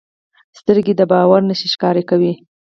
سترګې د باور نښې ښکاره کوي